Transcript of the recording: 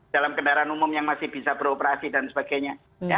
dalam kendaraan umum yang masih bisa beroperasi dan sebagainya